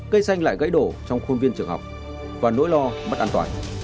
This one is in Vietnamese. cây xanh lại gãy đổ trong khuôn viên trường học và nỗi lo mất an toàn